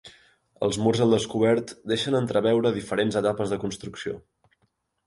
Els murs al descobert deixen entreveure diferents etapes de construcció.